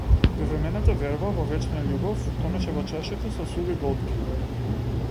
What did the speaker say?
Привремената верба во вечна љубов, тонеше во чашите со суви голтки.